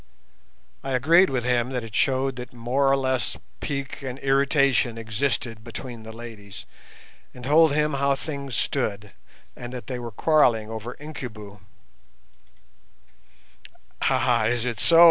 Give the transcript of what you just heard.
I agreed with him that it showed that more or less pique and irritation existed between the ladies, and told him how things stood, and that they were quarrelling over Incubu. "Ah, is it so?"